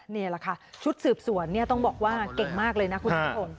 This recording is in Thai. นี่แหละค่ะชุดสืบสวนต้องบอกว่าเก่งมากเลยนะคุณนัทพงศ์